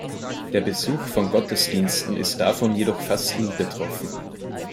Der Besuch von Gottesdiensten ist davon jedoch fast nie betroffen.